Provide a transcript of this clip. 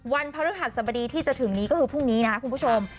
พระฤหัสสบดีที่จะถึงนี้ก็คือพรุ่งนี้นะครับคุณผู้ชม